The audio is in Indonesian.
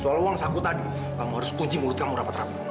soal uang saku tadi kamu harus kunci mulut kamu rapat rapat